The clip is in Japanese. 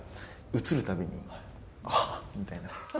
映るたびに、ハッ！みたいな。